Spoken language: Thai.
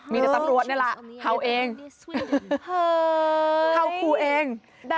มีแต่ตำรวจเนี่ยล่ะเห่าเอง